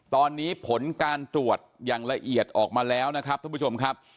ตอนนี้ผลการตรวจอย่างละเอียดออกมาแล้วนะครับท่านผู้ชมครับ